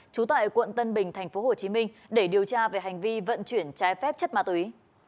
trú tại quận tân bình tp hcm để điều tra về hành vi vận chuyển trái phép chất ma túy